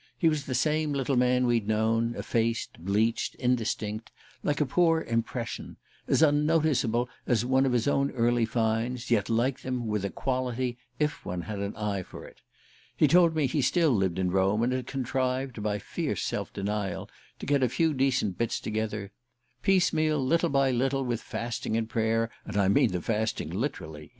He was the same little man we'd known, effaced, bleached, indistinct, like a poor "impression" as unnoticeable as one of his own early finds, yet, like them, with a quality, if one had an eye for it. He told me he still lived in Rome, and had contrived, by fierce self denial, to get a few decent bits together "piecemeal, little by little, with fasting and prayer; and I mean the fasting literally!"